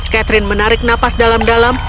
catherine menarik nafas dalam dalam